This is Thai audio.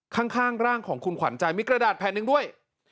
ข้างร่างของคุณขวัญใจมีกระดาษแผ่นหนึ่งด้วย